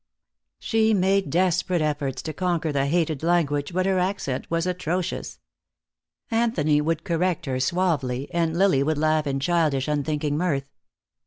She made desperate efforts to conquer the hated language, but her accent was atrocious. Anthony would correct her suavely, and Lily would laugh in childish, unthinking mirth.